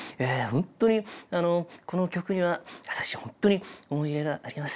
ホントにあのこの曲には私ホントに思い入れがあります